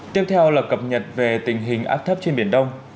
tiếp theo là cập nhật về tình hình áp thấp trên biển đông